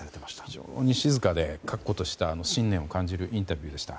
非常に静かで確固たる信念を感じるインタビューでした。